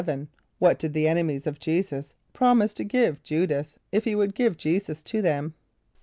= What did the enemies of J[=e]´[s+]us promise to give J[=u]´das, if he would give J[=e]´[s+]us to them?